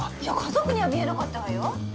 いや家族には見えなかったわよ。